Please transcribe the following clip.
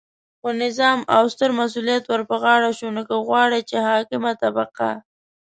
خو نظام او ستر مسؤلیت ورپه غاړه شو، نو که غواړئ چې حاکمه طبقه